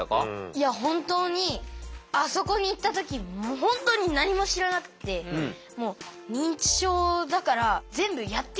いや本当にあそこに行った時本当に何も知らなくてもう認知症だから全部やってあげなきゃって思ってたんです。